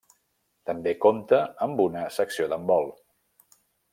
També compta amb una secció d'handbol.